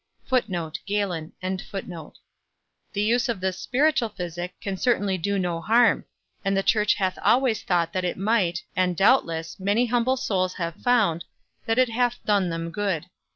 The use of this spiritual physic can certainly do no harm; and the church hath always thought that it might, and, doubtless, many humble souls have found, that it hath done them good.